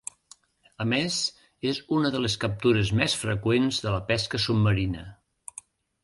A més, és una de les captures més freqüents de la pesca submarina.